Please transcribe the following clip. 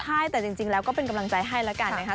ใช่แต่จริงแล้วก็เป็นกำลังใจให้แล้วกันนะคะ